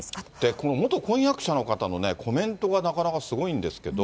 この元婚約者の方のね、コメントがなかなかすごいんですけど。